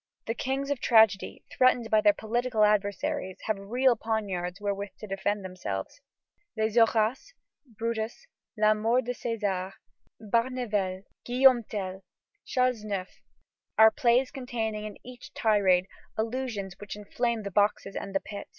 The kings of tragedy, threatened by their political adversaries, have real poniards wherewith to defend themselves. Les Horaces, Brutus, La Mort de César, Barnevelt, Guillaume Tell, Charles IX., are plays containing in each tirade allusions which inflame the boxes and the pit.